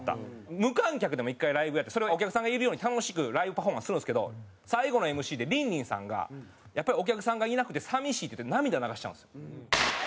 無観客でも１回ライブやってそれはお客さんがいるように楽しくライブパフォーマンスするんですけど最後のＭＣでリンリンさんが「やっぱりお客さんがいなくて寂しい」って言って涙流しちゃうんですよ。